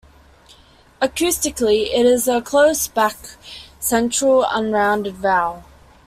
Acoustically it is a "close back-central unrounded vowel".